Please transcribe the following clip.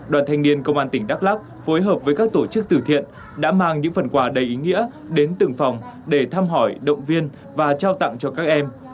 đoàn thanh niên công an tỉnh đắk lắk phối hợp với các tổ chức từ thiện đã mang những phần quà đầy ý nghĩa đến từng phòng để thăm hỏi động viên và trao tặng cho các em